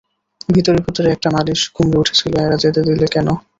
ভিতরে ভিতরে একটা নালিশ গুমরে উঠছিল– এরা যেতে দিলে কেন?